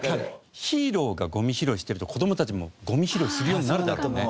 ヒーローがゴミ拾いしてると子どもたちもゴミ拾いするようになるだろうね。